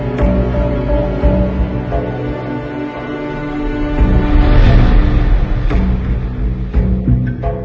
แม่งกลัว